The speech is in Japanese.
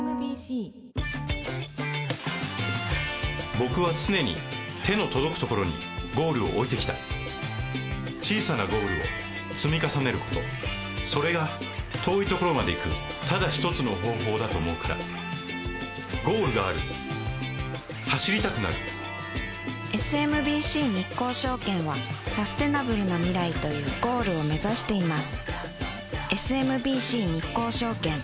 僕は常に手の届くところにゴールを置いてきた小さなゴールを積み重ねることそれが遠いところまで行くただ一つの方法だと思うからゴールがある走りたくなるＳＭＢＣ日興証券はサステナブルな未来というゴールを目指しています